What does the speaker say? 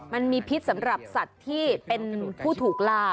มันมีพิษสำหรับสัตว์ที่เป็นผู้ถูกล่า